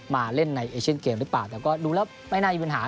มาเล่นในเอเชียนเกมหรือเปล่าแต่ก็ดูแล้วไม่น่ามีปัญหา